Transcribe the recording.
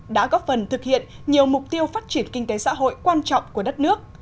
đã góp phần thực hiện nhiều mục tiêu phát triển kinh tế xã hội quan trọng của đất nước